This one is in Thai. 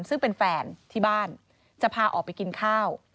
ซึ่งเป็นแฟนที่บ้านจะพาออกไปกินข้าว